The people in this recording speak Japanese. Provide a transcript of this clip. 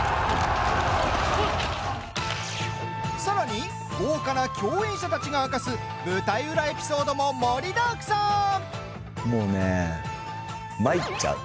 さらに豪華な共演者たちが明かす舞台裏エピソードも盛りだくさん。